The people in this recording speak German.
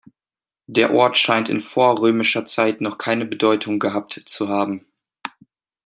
Der Ort scheint in vorrömischer Zeit noch keine Bedeutung gehabt zu haben.